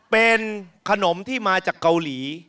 เป็นขนมที่มาจากเกาหลี